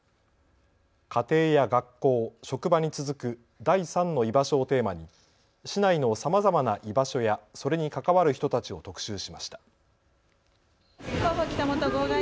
家庭や学校、職場に続く第３の居場所をテーマに市内のさまざまな居場所やそれに関わる人たちを特集しました。